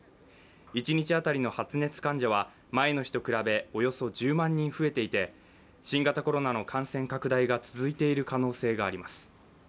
一日当たりの発熱患者は前の日と比べおよそ１０万人増えていて新型コロナの感染拡大が続いている可能性があります。